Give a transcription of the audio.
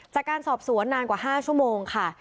จากการสอบสวนนานกว่า๕ชั่วโมงค่ะ